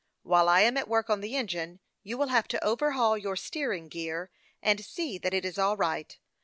While I am at work on the engine, you will have to overhaul your steering gear, and see that it is all right.